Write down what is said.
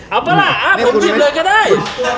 เอาป่ะล่ะอะผมปิดเลยก็ได้